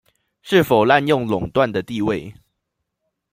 是否濫用壟斷的地位